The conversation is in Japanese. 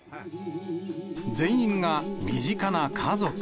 全員が身近な家族。